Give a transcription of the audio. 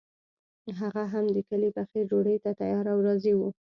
هغه هم د کلي پخې ډوډۍ ته تیار او راضي وو.